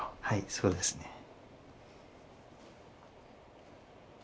はいそうですね。